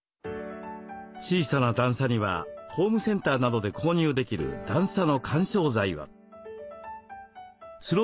小さな段差にはホームセンターなどで購入できる段差の緩衝材を。